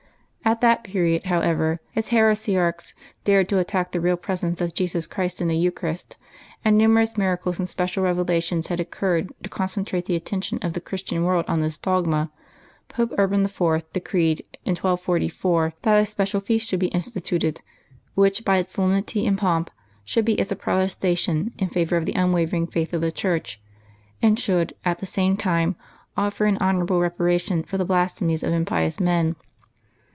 At that period, however, as heresiarchs dared to attack the Real Presence of Jesus Christ in the Eucharist, and nu merous miracles and special revelations had occurred to concentrate the attention of the Christian world on this dogma. Pope Urban IV. decreed, in 1244, that a special feast should be instituted, which, by its solemnity and pomp, should be as a protestation in favor of the unwaver ing faith of the Church, and should, at the same time, offer an honorable reparation for the blasphemies of im pious men.